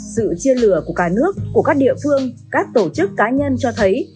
sự chia lửa của cả nước của các địa phương các tổ chức cá nhân cho thấy